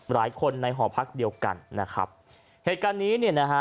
หลายคนในหอพักเดียวกันนะครับเหตุการณ์นี้เนี่ยนะฮะ